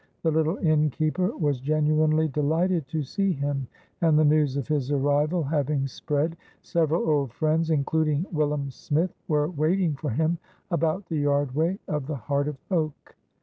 The little innkeeper was genuinely delighted to see him; and the news of his arrival having spread, several old friends (including "Willum" Smith) were waiting for him, about the yardway of the Heart of Oak.